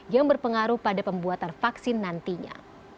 yang berpengaruh pada pembuatan vaksin nantinya